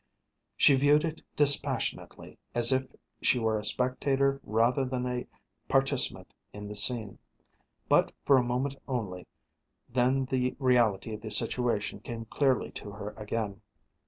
She viewed it dispassionately, as if she were a spectator rather than a participant in the scene. But for a moment only, then the reality of the situation came clearly to her again.